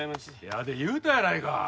やで言うたやないか。